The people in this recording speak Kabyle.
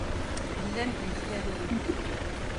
Llant deg talwit.